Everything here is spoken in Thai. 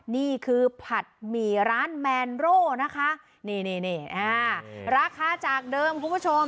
นี่คือผัดหมี่ร้านแมนโร่นะคะนี่นี่อ่าราคาจากเดิมคุณผู้ชม